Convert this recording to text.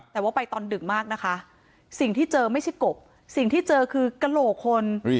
แต่ว่าไปตอนดึกมากนะคะสิ่งที่เจอไม่ใช่กบสิ่งที่เจอคือกระโหลกคน